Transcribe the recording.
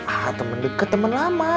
a'a teman dekat teman lama